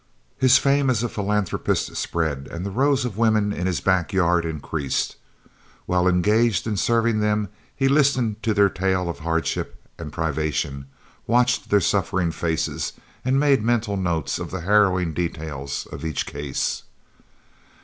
His fame as a philanthropist spread, and the rows of women in his back yard increased. While engaged in serving them he listened to their tales of hardship and privation, watched their suffering faces, made mental notes of the harrowing details of each case.